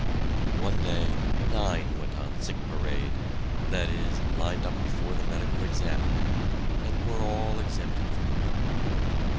One day nine went on "sick parade"; that is, lined up before the medical examiner and were all exempted from work.